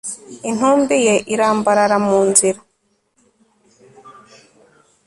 intumbi ye irambarara mu nzira